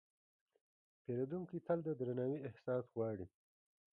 پیرودونکی تل د درناوي احساس غواړي.